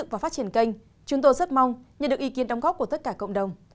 và phát triển kênh chúng tôi rất mong nhận được ý kiến đóng góp của tất cả cộng đồng